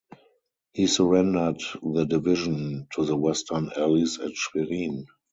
He surrendered the division to the Western Allies at Schwerin.